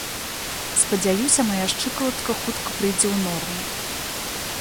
Спадзяюся, мая шчыкалатка хутка прыйдзе ў норму.